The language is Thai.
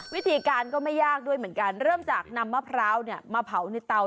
วิธีการก็ไม่ยากด้วยเหมือนกันเริ่มจากนำมะพร้าวมาเผาในเตา